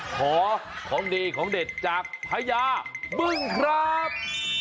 ขอของดีของเด็ดจากพญาบึ้งครับ